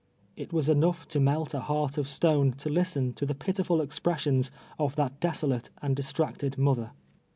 It was enough to melt a heart of stone to listen to the pitiful ex X)ressions of that desolate and distracted mother.